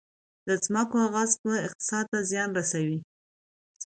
د ځمکو غصب اقتصاد ته زیان رسولی؟